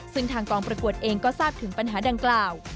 ซึ่งทางกองประกวดเองก็ทราบถึงปัญหาดังกล่าว